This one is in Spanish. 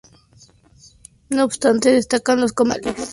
No obstante, destacan los comercios locales.